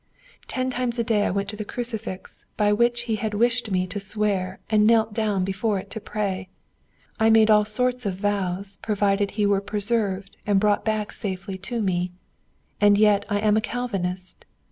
Ten times a day I went to the crucifix by which he had wished me to swear and knelt down before it to pray. I made all sorts of vows provided he were preserved and brought back safely to me. And yet I am a Calvinist!